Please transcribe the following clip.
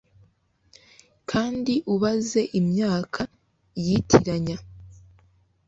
Kandi ubaze imyaka yitiranya